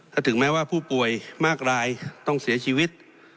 และถึงแม้ว่าผู้ป่วยมากรายต้องเสียชีวิต